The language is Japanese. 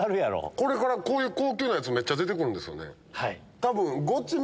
これからこういう高級なやつめっちゃ出て来るんですよね。